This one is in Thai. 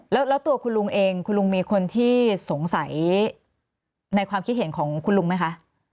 แล้วตัวคุณลุงเองคุณลุงมีคนที่สงสัยในความคิดเห็นของคุณลุงไหมคะ